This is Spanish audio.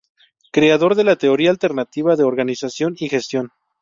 Creador de la teoría alternativa de Organización y Gestión.